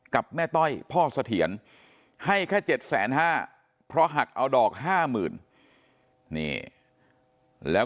กับแม่ต้อยพ่อเสถียรให้แค่๗๕๐๐เพราะหักเอาดอก๕๐๐๐นี่แล้ว